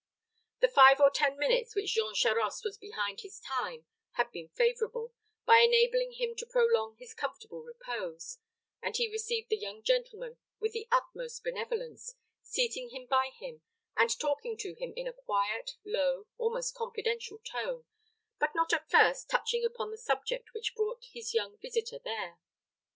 The five or ten minutes which Jean Charost was behind his time had been favorable, by enabling him to prolong his comfortable repose, and he received the young gentleman with the utmost benevolence, seating him by him, and talking to him in a quiet, low, almost confidential tone, but not at first touching upon the subject which brought his young visitor there.